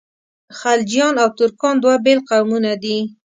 خلجیان او ترکان دوه بېل قومونه دي.